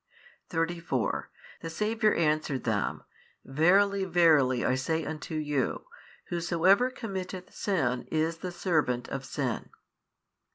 34 The Saviour answered them Verily verily I say unto you, Whosoever committeth sin is the servant of sin.